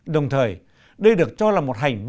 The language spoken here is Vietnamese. đồng thời đây được cho là một lễ hội trọi châu hải lộ